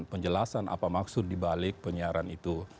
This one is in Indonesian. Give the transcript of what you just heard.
penjelasan apa maksud dibalik penyiaran itu